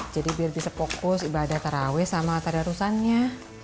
jadi biar bisa fokus ibadah taraweeh sama atadarusannya